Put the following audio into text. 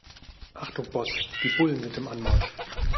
Achtung Boss, die Bullen sind im Anmarsch.